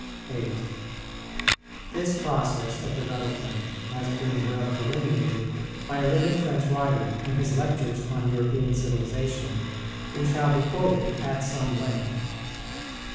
"[49:1] 8. This process of development has been well delineated by a living French writer, in his Lectures on European civilization, who shall be quoted at some length.